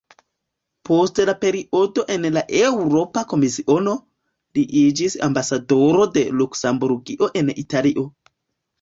Post la periodo en la Eŭropa Komisiono, li iĝis ambasadoro de Luksemburgio en Italio.